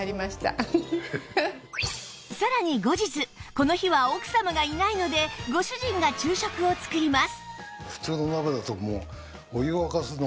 この日は奥様がいないのでご主人が昼食を作ります